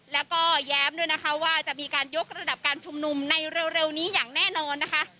แล้วก็แย้มด้วยนะคะว่าจะมีการยกระดับการชุมนุมในเร็วนี้อย่างแน่นอนนะคะ